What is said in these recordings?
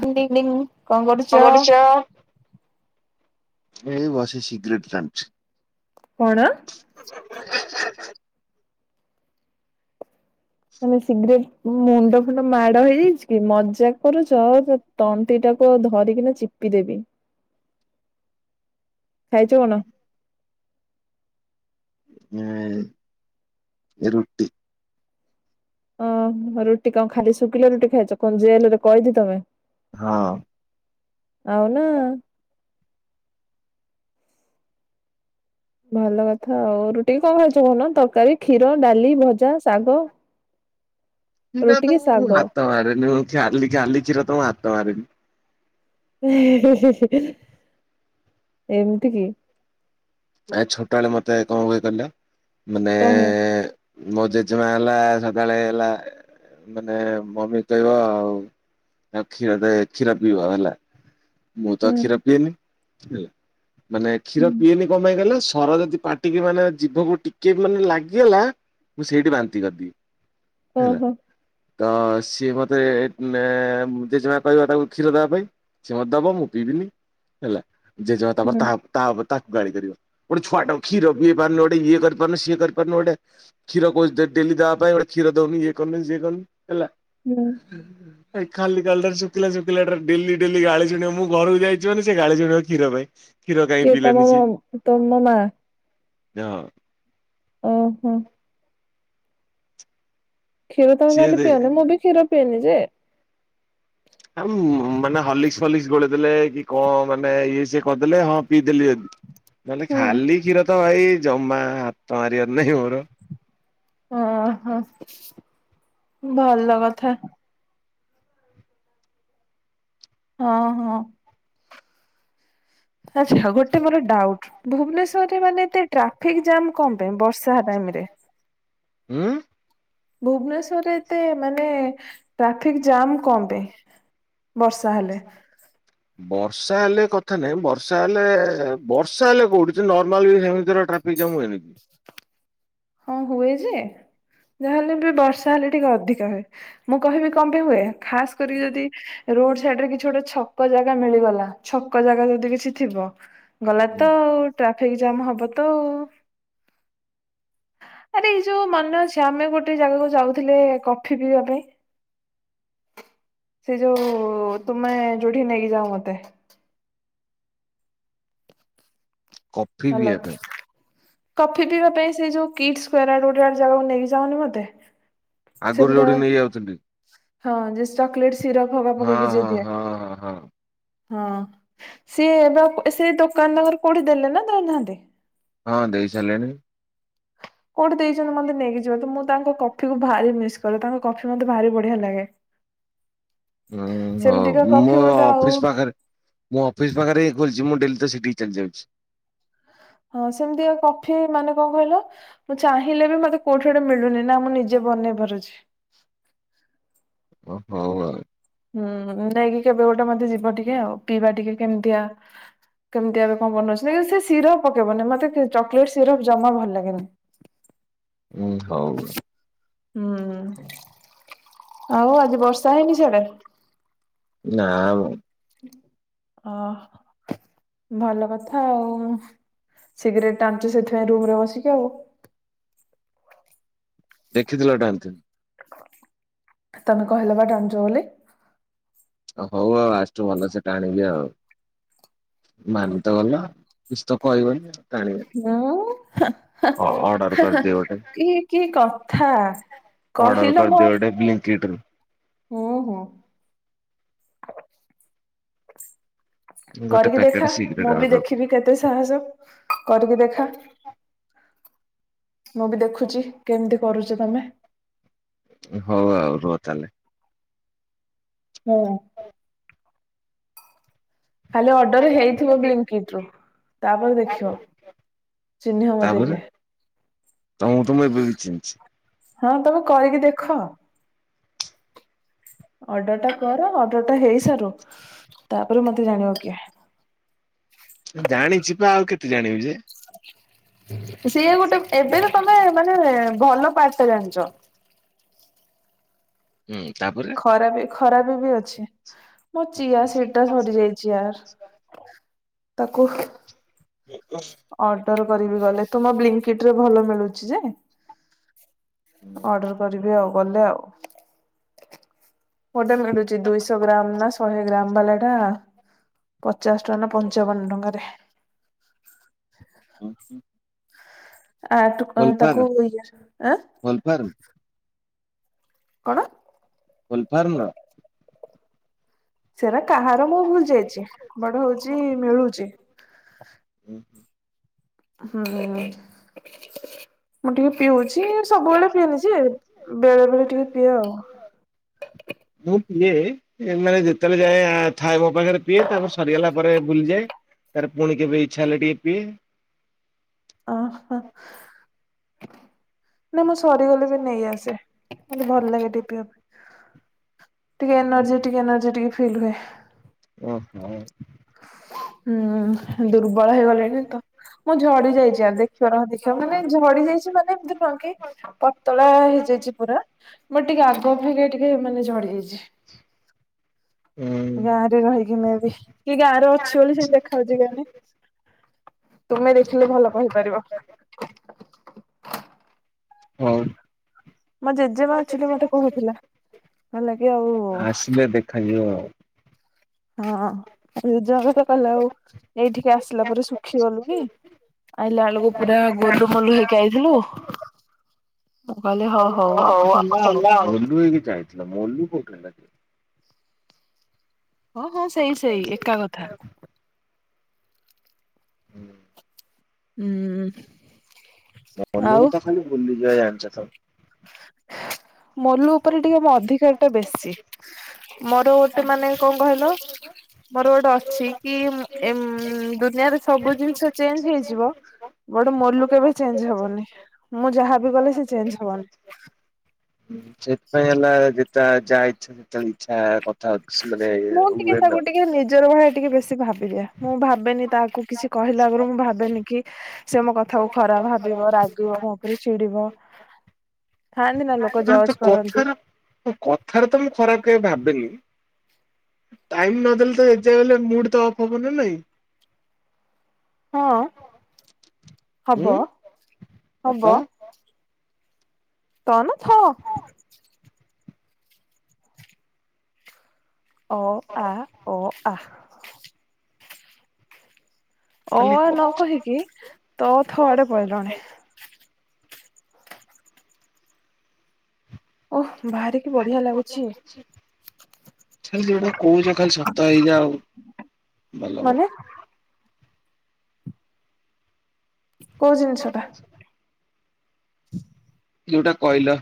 Good evening. କଁ କରୁଛ। କଣ। ତମେ ସିଗ୍ରେଟ ମୁଣ୍ଡ ଫୁଣ୍ଡ ମାଡ ହେଇ ଯାଇଛି କି ମଜାକ କରୁଛ। ତଣ୍ଟି ଟାକୁ ଧରିକିନା ଚିପି ଦେବି ଖାଇଛ କଣ? ନାଇଁ ରୁଟି। ଉଁ ରୁଟି କଁ ଖାଲି ଶୁଖିଲେ ରୁଟି ଖାଇଛ କଁ ଜେଲ ରେ କଏଦି ତମେ। ହଁ। ଆଉ ନା। ଭଲ କଥା ଆଉ ରୁଟି କଣ ଖାଇଛ କହୁନା ତରକାରୀ କ୍ଷୀର ଡାଲି ଭଜା ଶାଗ। କ୍ଷୀର ରୁଟି ତ କି ମୁଁ ଶାଗ। ହାତ ମାରେନି ମୁଁ ଖାଲି ଖାଲି କ୍ଷୀର ତ ମୁଁ ହାତ ମାରେନି। ଏମିତି କି। ଏ ଛୋଟବେଳେ ମତେ କଣ ହୁଏ କହିଲେ ମାନେ। କଣ ହୁଏ? ମୋ ଜେଜେମା ହେଲା ସଦାବେଳେ ହେଲା ମାନେ ମମି କୁ କହିବ ଆଉ। ତାକୁ କ୍ଷୀର ଦେ କ୍ଷୀର ପିଇବ ହେଲା। ମୁଁ ତ ହୁଁ କ୍ଷୀର ପିଏନି ହେଲା ମାନେ କ୍ଷୀର ହୁଁ ପିଏନି କଁ ପାଇଁ କହିଲ ସର ଯଦି ପାଟି ଟି କି ମାନେ ଜିଭକୁ ଟିକେ ମାନେ ଲାଗି ଗଲା ମୁଁ ସେଇଠି ବାନ୍ତି କରିଦିଏ। ହେଲା। ଓହୋ ତ ସିଏ ମତେ ଏଁ ଜେଜେମା କହିବା ତାକୁ କ୍ଷୀର ଦବା ପାଇଁ ସେ ମତେ ଦବ ମୁଁ ପିଇବିନି ହେଲା ଜେଜମା ହୁଁ ତାପର ତା ତା ପରେ ତାକୁ ଗାଳି କରିବ ଗୋଟେ ଛୁଆ ଟାକୁ କ୍ଷିର ପିଏଇ ପାରୁନୁ ଗୋଟେ ଇଏ କରିପାରୁନି ସିଏ କରିପାରୁନୁ ଗୋଟେ। କ୍ଷୀର କହୁଚି ତୋତେ ଡେଲି ଦେବା ପାଇଁ ଗୋଟେ କ୍ଷୀ ଦଉନୁ ଇଏ କରନୁ ସିଏ କରନୁ ହେଲା। ହୁଁ। ଏ ଖାଲି ଖାଲି ଟାରେ ସୁୁକିଲା ସୁୁକିଲା ଟାରେ ଡେଲି ଡେଲି ଗାଳି ଶୁଣିବ ମୁଁ ଘରକୁ ଯାଇିଛି ମାନେ ସେ ଗାଳି ଶୁଣିବ କ୍ଷୀର ପାଇଁ। କ୍ଷୀର କାହିଁ କି ତମ ପିଇଲାନି ମ ସିଏ ତମ ମା। ହଁ। ଓହୋ। କ୍ଷୀର ତମେ ସିଏ ତାହେଲେ ଦେ ପିଅନି ମୁଁ ବି କ୍ଷୀର ପିଏନି ଯେ। ଆଉ ଉଁ ମାନେ ହଲିକ୍ସ ଫଲିକ୍ସ ଗୋଳେଇ ଦେଲେ କି କଁ ମାନେ ଇଏ ସିଏ କରିଦେଲେ ହଁ ପିଇଦେଲି ଯଦି। ନହେଲେ ହୁଁ। ଖାଲି କ୍ଷୀର ତ ଭାଇ ଜମା ହାତ ମାରିବାର ନାଇଁ ମୋର। ଓ ହଁ ଭଲ କଥା। ହଁ ହଁ। ଆଛା ଗୋଟେ ମୋର ଡାଉଟ ଭୁବନେଶ୍ଵର ରେ ମାନେ ଏ ଟ୍ରାଫିକ ଜାମ କଁ ପାଇଁ ବର୍ଷା। ତାହା ଟାଇମ ରେ। ହୁଁ ଭୁବନେଶ୍ଵର ରେ ଏତେ ମାନେ। ଟ୍ରାଫିକ ଜାମ୍ କଣ ପାଇଁ ବର୍ଷା ହେଲେ? ବର୍ଷା ହେଲେ କଥା ନାହିଁ ବର୍ଷା ହେଲେ ବର୍ଷା ହେଲେ କୋଉଠି ଯେ ନର୍ମାଲ ବି ସେମିତିରେ ଟ୍ରା ଫିକ ଜାମ୍ ହୁଏନି ହଁ ହୁଏ ଯେ ଯାହେଲେ ବି ବର୍ଷା ହେଲେ ଟିକେ ଅଧିକା ହୁଏ ମୁଁ କହିବି କମ୍ପାଇ ହୁଏ ଖାସ କରିକି ଯଦି ରୋଡ଼ ସାଇଡ଼ ରେ କିଛି ଗୋଟେ ଛକ ଜାଗା ମିଳିଗଲା ଛକ ଜାଗା ଯଦି କିଛି ଥିବ ଗଲା ହୁଁ ତ ଆଉ ଟ୍ରାଫିକ ଜାମ୍ ହବ ତ ଆଉ। ଆରେ ଏଇ ଯୋଉ ମନେ ଅଛି ଆମେ ଗୋଟେ ଜାଗାକୁ ଯାଉଥିଲେ କଫି ପିଇବା ପାଇଁ? ସେଇ ଯୋଉ ତୁମେ ଯୋଉଠିକି ନେଇକି ଯାଅ ମତେ। କଫି ହ୍ୟାଲୋ ପିଇବା ପାଇଁ କଫି ପିଇବା ପାଇଁ ସେ ଯୋଉ କିଟସ୍କୋୟାର ଆଡ଼ ଗୋଟେ ଜାଗାକୁ ନେଇକି ଯାଅନି ମତେ। ସେ ଆଗରୁ ପୁରା ଯୋଉଠିକି ନେଇ ଯାଉଥିଲି। ହଁ ଯ ଚକୋଲେଟ ସିରପ ହବା ହଁ ପକେଇକି ଯିଏ ହଁ ଦିଏ। ହଁ ହଁ ହଁ। ହଁ। ସିଏ ଏବେ ସେ ଦୋକାନ ତାଙ୍କର କୋଉଠି ଦେଲେ ନା ଦେଇନାହାନ୍ତି? ହଁ ଦେଇ ସାରିଲେଣି। କୋଉଠି ଦେଇଚନ୍ତି ମତେ ନେଇକି ଯିବ ତ ମୁଁ ତାଙ୍କ କଫିକୁ ଭାରି ମିସ୍ କରେ ତାଙ୍କ କଫି ମତେ ଭାରି ବଢ଼ିଆ ଲାଗେ। ହୁଁ ସେମିତିକା ହଉ କଫି ମୋ ମତେ ଆଉ ଅଫିସ ପାଖରେ ମୋ ଅଫିସ ପାଖରେ ହିଁ ଖୋଲିଚି ମୁଁ ଡ଼େଲି ତ ସେଠିକି ଚାଲି ଯାଉଚି। ହଁ ସେମିତିଆ କଫି ମାନେ କଣ କହିଲ ମୁଁ ଚାହିଁଲେ ବି ମତେ କୋଉଠି ଗୋଟେ ମିଳୁନି ନା ମୁଁ ନିଜେ ବନେଇ ପାରୁଚି। ଓ ହୋଉ ଆ ହୁଁ ନେଇକି କେବେ ଗୋଟେ ମତେ ଯିବ ଟିକେ ଆଉ ପିଇବା ଟିକେ କେମିତିଆ କେମିତି ଏବେ କଣ ବନଉଛନ୍ତି କି ସେ ସିରପ୍ ପକେଇବନି ମତେ କି ଚକଲେଟ୍ ସିରପ୍ ଜମା ଭଲ ଲାଗେନି। ହୁଁ ହଉ। ହୁଁ ଆଉ ଆଜି ବର୍ଷା ହେଇନି ସିଆଡ଼େ? ନା ବ। ଓ ଭଲ କଥା ଆଉ। ସିଗରେଟ ଟାଞ୍ଚୁ ସେଥିପାଇଁ ରୁମ୍ ରେ ବସିକି ଆଉ। ଦେଖିଥିଲ ଟାଣିଥିନି? ତମେ କହିଲ ବା ଟାଣୁଚ ବୋଲି। ଓ ହୋଉ ଆଉ ଆଜିଠୁ ଭଲସେ ଟାଣିବି ଆଉ। ମାନିତ ଗଲା କିଛି ତ କହିବନି ଆଉ। ମୁଁ ହେ ହେ ଅର୍ଡର ହେ ହେ କରିଦିଅ ଗୋଟେ ଇଏ କି କଥା। ଅର୍ଡର କହିଲ ମୋ କରିଦିଅ ଗୁଟେ ବ୍ଲିଙ୍କିଟ ରୁ। ହୁଁ ହୁଁ। ଗୋଟେ କରିକି ପ୍ୟାକେଟ ଦେଖା ସିଗ୍ରେଟ ମୁଁ ବି ଅର୍ଡର ଦେଖିବି କେତେ ସାହସ କରିକି ଦେଖା। ମୁଁ ବି ଦେଖୁଚି କେମିତି କରୁଚ ତମେ। ହୋଉ ଆଉ ରୁହ ତାହେଲେ। ହଁ। ଖାଲି ଅର୍ଡର ହେଇଥିବ୍ ବ୍ଲିଙ୍କିଟ ରୁ ତାପରେ ଦେଖିବ। ଚିହ୍ନିବ ମତେ ତାପରେ କିଏ। ତମକୁ ତ ମୁଁ ଏବେବି ଚିହ୍ନିଚି। ହଁ ତମେ କହିକି ଦେଖ। ଅର୍ଡର ଟା କର ଅର୍ଡର ଟା ହେଇସାରୁ ତାପରେ ମତେ ଜାଣିବ କିଏ। ଜାଣିଚି ପା ଆଉ କେତେ ଜାଣିବି ଯେ? ସିଏ ଗୋଟେ ଏବେ ତ ତମେ ମାନେ ଭଲ ପାର୍ଟ ଟା ଜାଣିଚ। ହୁଁ ତାପରେ ଖରାପ ଖରାପ ବି ଅଛି, ମୋ ଚିଆ ସିଡ୍ ଟା ସରି ଯାଇଛି ଆର୍। ତାକୁ ଅର୍ଡର କରିବି ଗଲେ, ତୁମ ବ୍ଙ୍କିକିଟ ରେ ଭଲ ମିଳୁଛି ଯେ। ଅର୍ଡର କରିବି ଆଉ ଗଲେ ଆଉ। ଗୋଟେ ମିଳୁଛି ଦୁଇଶହ ଗ୍ରାମ ନା ଶହେ ଗ୍ରାମ ବାଲା ଟା ପଚାଶ ଟଙ୍କା ନା ପଞ୍ଚାବନ ଟଙ୍କାରେ। ହୁ ହୁଁ। ଆଠୁ ତାକୁ, ଆଁ ଫଲଫାର୍ମ କଣ? ହୋଲ ଫାର୍ମ ର? ସେଟା କାହାର ମୁଁ ଭୁଲି ଯାଇଚି, ବଟ୍ ହଉଚି ମିଳୁଚି। ହୁ ହୁ। ହଁ ଅଁ। ମୁଁ ଟିକେ ପିଉଚି, ସବୁବେଳେ ପିଏନି ଯେ ବେଳେ ବେଳେ ଟିକେ ପିଏ ଆଉ। ମୁଁ ପିଏ। ମାନେ ଯେତେବେଳେ ଯାଏ ଥାଏ ମୋ ପାଖରେ ପିଏ, ତାପରେ ସରିଗଲା ପରେ ଭୁଲିଯାଏ। ତାରେ ପୁଣି କେବେ ଇଚ୍ଛା ହେଲେ ଟିକେ ପିଏ। ଓ ହ। ନାଇଁ ମୁଁ ସରିଗଲେ ବି ନେଇ ଆସେ, ମତେ ଭଲ ଲାଗେ ଟିକେ ପିଇବା ପାଇଁ। ଟିକେ ଏନର୍ଜଟିକ ଏନର୍ଜିଟିକ ଫିଲ୍ ହୁଏ। ଓ ହୋ। ହୁଁ ଦୁର୍ ବଳ ହେଇଗଲିଣି ତ, ମୁଁ ଝଡି ଯାଇଛି ଆଉ ଦେଖିବ ରହ ଦେଖିବ ମାନେ ଝଡି ଯାଇଛି ମାନେ କଁ କି ପତଳା ହେଇଯାଇଛି ପୁରା, ମୁଁ ଟିକେ ଆଗ ଅପେକ୍ଷା ଟିକେ ମାନେ ଝଡି ଯାଇଛି। ହୁଁ ଗାଁ ରେ ରହିକିନା ବି, କି ଗାଁରେ ଅଛି ବୋଲି ସେମତି ଦେଖାଯାଉଛି କେଜାଣି। ତୁମେ ଦେଖିଲେ ଭଲ କହିପାରିବ। ହଉ। ମୋ ଜେଜେମା ଆକଚୁଆଲି ମୋତେ କହୁଥିଲା, କହିଲାକି ଆଉ ଖାଇଯିବ ଆଉ। ହଁ ଜେଜେମା କହିଲା ଆଉ ଏଇଠିକି ଆସିଲା ପରେ ଶୁଖିଗଲୁଣି ଆଇଲା ବେଳକୁ ପୁରା ଗୋଲୁ ମୋଲୁ ହେଇକି ଆଇଥିଲୁ। ମୁଁ କହିଲେ ହ ହଉ ଆଉ ହେଲା ଆଉ। ଟୁ ହେଇକି ଚାହିଁଥିଲା ମଲି ପକେଇଲା। ହଁ ହଁ ସେଇ ସେଇ ଏକା କଥା। ହୁଁ। ହୁଁ। ମୋଲୁ ଆଉ କୁ ତ ଖାଲି ବୁଲିଯିବା ଜାଣିଛ ତ ମୋଲୁ ଉପରେ ଟିକେ ମୋ ଅଧିକାର ଟା ବେଶୀ। ମୋର ଗୋଟେ ମାନେ କଣ କହିଲ? ମୋର ଗୋଟେ ଅଛି କି ଏମ୍ ଦୁନିଆରେ ସବୁ ଜିନିଷ ଚେଞ୍ଜ୍ ହେଇଯିବ। ବଟ୍ ମୋଲୁ କେବେ ଚେଞ୍ଜ୍ ହବନି, ମୁଁ ଯାହାବି କଲେ ସେ ଚେଞ୍ଜ୍ ହବନି। ସେଥିପାଇଁ ହେଲା ଯେତା ଯାହା ଇଚ୍ଛା ଯେତେବେଳେ ଇଛା କ ମୁଁ ଟିକେ ତାକୁ ଟିକେ ନିଜର ଭଳିଆ ଟିକେ ବେଶ୍ ଭାବିଦିଏ, ମୁଁ ଭାବେନି ତାକୁ କିଛି କହିଲା ଆଗରୁ ମୁଁ ଭାବେନି କି ସେ ମୋ କଥାକୁ ଖରାପ୍ ଭାବିବ ରାଗିବ ମୋ ଉପରେ ଚିଡିବ। ଥାଆନ୍ତି ନା ଲୋକ ଜଜ୍ କରନ୍ତି। ମୁଁ କଥାରେ ତ ମୁଁ ଖରାପ୍ କେବେ ଭାବେନି। ଟାଇମ୍ ନଦେଲେ ତ ଯେତେଯାହା ହେଲେ ମୁଡ୍ ତ ଅଫ୍ ହବ ନା ନାଇଁ। ହଁ ହବ, ଉଁ ବାପା ହବ। ତ ନା ଥ। ଅ- ଆ- ଅ -ଆ। ଅ ଖାଲି -ଆ କ ନ କହିକି, ତ ଥ ଆଡେ ପଲେଇଲନି। ଓଃ ବାହାରେ କି ବଢିଆ ଲାଗୁଛି। ଖାଲି ଯୋଉଗୁଡା କହୁଛ ଖାଲି ସତ ହେଇଯାଉ ଭଲ ହବ। ମାନେ କୋଉ ଜିନିଷ ଟା? ଯୋଉଟା କହିଲ।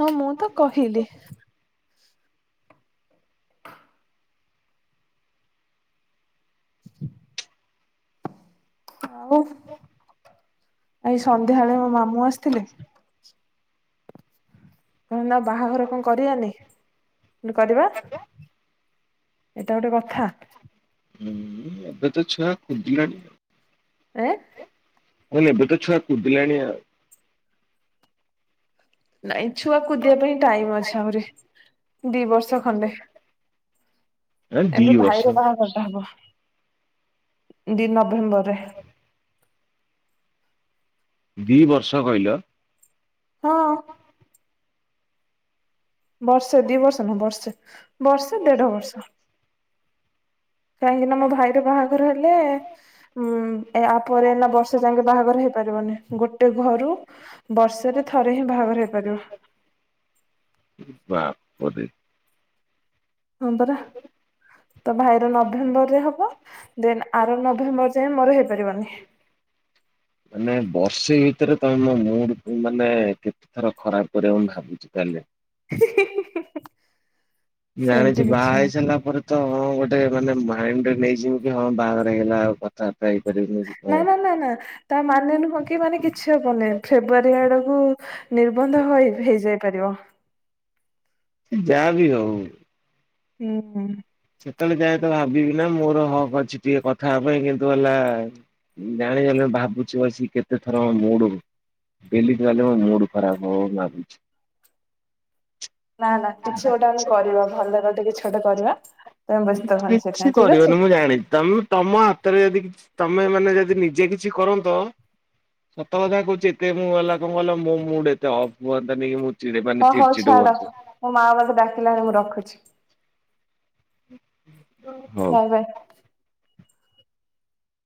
ହଁ ମୁଁ ତ କହିଲି। ଆଉ ଆଜି ସନ୍ଧ୍ୟାବେଳେ ମୋ ମାମୁଁ ଆସିଥିଲେ। କହିଲେ ନା ବାହାଘର କଣ କରିବାନି, କରିବା। ଏଟା ଗୋଟେ କଥା। ହୁଁ ଏବେ ତ ଛୁଆ କୁଦିଲାଣି ଆଉ। ଏ ମୁଁ କହିଲି ଏବେ ତ ଛୁଆ କୁଦିଲାନି ଆଉ। ନାଇଁ ଛୁଆ କୁଦିବା ପାଇଁ ଟାଇମ୍ ଅଛି ଆହୁରି ଦି ବର୍ଷ ଖଣ୍ଡେ ଆଉ ଦି ଏବେ ବର୍ଷ ଭାଇର ବାହାଘରଟା ହବ ଦି ନଭେମ୍ବର ରେ। ଦି ବର୍ଷ କହିଲ। ହଁ। ବର୍ଷେ ଦି ବର୍ଷ ନୁହଁ, ବର୍ଷେ ବର୍ଷେ ଦେଢ ବର୍ଷ। କାହିଁକି ନା ମୋ ଭାଇର ବାହାଘର ହେଲେ ଉଁ ଏ ଆପରେ ହେଲା ବର୍ଷେ ଯାଏକେ ବାହାଘର ହେଇପାରିବନି ଗୋଟେ ଘରୁ ବର୍ଷେ ରେ ଥରେ ହିଁ ବାହାଘର ହେଇପାରିବ। ବାପ୍ ପରେ। ହଁ ପରା। ତ ଭାଇର ନଭେମ୍ବର ରେ ହବ ଦେନ୍ ଆର ନଭେମ୍ବର ଯାଏ ମୋର ହେଇପାରିବନି। ମାନେ ବର୍ଷେ ଭିତରେ ତମେ ମୋ ମୁଡ୍ କୁ ମାନେ କେ ଏଥର ଖରାପ୍ କରିବ ମୁଁ ଭାବୁଛି ତାହେଲେ। ହିଁ- ହିଁ -ହିଁ -ହିଁ- ହିଁ। ଜାଣିଛି ବାହା ହେଇ ସାରିଲା ପରେ ତ ମୁଁ ଗୋଟେ ମାନେ ମାଇଣ୍ଡରେ ନେଇଯିବି କି ହଁ ବାହାଘର ହେଇଗଲା ଆଉ କଥାବାର୍ତ୍ତା ହେଇପାରିବିନି କି ନା ନା ନା କଣ। -ନା ତା ମାନେ ନୁହଁ କି ମାନେ କିଛି ହବନି ଫେବୃଆରୀ ଆଡକୁ ନିର୍ବନ୍ଧ ହୋଇ ହେଇଯାଇ ପାରିବ। ଯାହା ବି ହଉ। ହୁଁ ହୁଁ। ସେତେବେଳେ ଯାଏ ତ ଭାବିବି ନା ମୋର ହକ୍ ଅଛି ଟିକେ କଥା ହେବା ପାଇଁ କିନ୍ତୁ ହେଲା ଜାଣିଗଲେ ଭାବୁଚି ବସି କେତେଥର ମୁଡ଼ ଡେଲି ଗଲେ ମୋ ମୁଡ ଖରାପ ହବ ଭାବୁଚି। ନା ନା କିଛି ଗୋଟେ ଆମେ କରିବା ଭଲ ଗୋଟେ କିଛି ଗୋଟେ କରିବା। ତମେ ବ୍ୟସ୍ତ ହନି କିଛି ସେଥିପାଇଁ ଠିକ ଅଛି। କରିବନି ମୁଁ ଜାଣିଚି ତମେ ତମ ହାତରେ ଯଦି କି ତମେ ମାନେ ଯଦି ନିଜେ କିଛି କରନ୍ତ ସତ କଥା କହୁଚି ଏତେ ମୁଁ ହେଲା କଣ କଇଲ ମୋ ମୁଡ ଏତେ ଅଫ୍ ହୁଅନ୍ତାନି ମୁ ଚିଡ଼ି ହଁ ମାନେ ଚିଡ଼ ହଉ ଚିଡ଼ ଛାଡ ହୁଅନ୍ତୁ। ମୋ ମାଆ [unintelligible] ଡାକିଲାଣି ମୁଁ ରଖୁଚି। ହୁଁ ବାଏ ବାଏ।